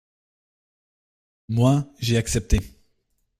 Moi, j'ai accepté.